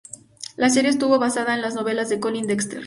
La serie estuvo basada en las novelas de Colin Dexter.